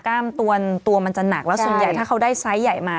ตัวมันจะหนักแล้วส่วนใหญ่ถ้าเขาได้ไซส์ใหญ่มา